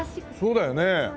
そうだよね。